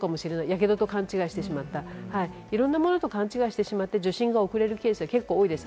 やけどと勘違いしてしまった、いろんなものと勘違いしてしまって受診が遅れるケースが多いです。